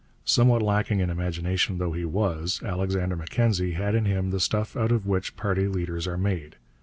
Somewhat lacking in imagination though he was, Alexander Mackenzie had in him the stuff out of which party leaders are made.